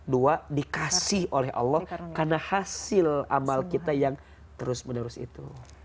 dua dikasih oleh allah karena hasil amal kita yang terus menerus itu